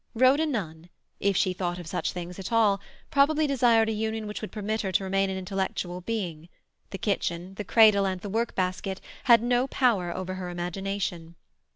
Rhoda Nunn, if she thought of such things at all, probably desired a union which would permit her to remain an intellectual being; the kitchen, the cradle, and the work basket had no power over her imagination.